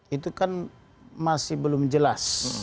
itu kan masih belum jelas